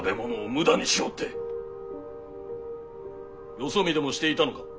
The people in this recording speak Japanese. よそ見でもしていたのか！